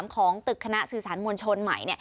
ของตึกคณะสื่อสารมวลชนใหม่